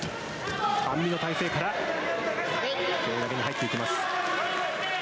半身の体勢から背負い投げに入っていきます。